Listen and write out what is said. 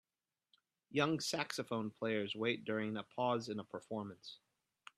Young saxophone players wait during a pause in a performance